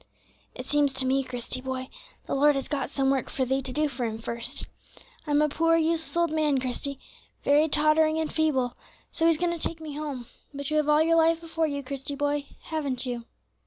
"It seems to me, Christie, boy, the Lord has got some work for thee to do for Him first. I'm a poor, useless old man, Christie, very tottering and feeble, so He's going to take me home; but you have all your life before you, Christie, boy, haven't you?"